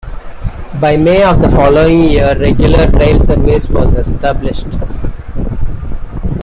By May of the following year regular rail service was established.